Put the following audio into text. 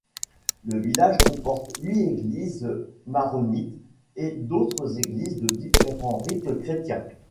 Le village comporte huit églises maronites, et d'autres églises de différent rites chrétiens.